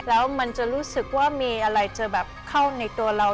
แล้วมันจะรู้สึกว่ามีอะไรจะแบบเข้าในตัวเรา